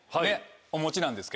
お持ちなんですけど。